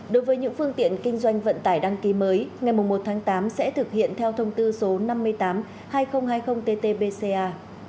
đối với những phương tiện kinh doanh vận tải đăng ký mới ngày một tháng tám sẽ thực hiện theo thông tư số năm mươi tám hai nghìn hai mươi ttbca